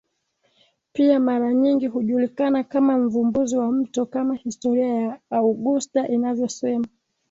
pia mara nyingi hujulikana kama mvumbuzi wa mto Kama historia ya Augusta inavyosema